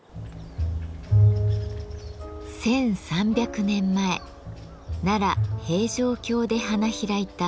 １，３００年前奈良・平城京で花開いた天平文化。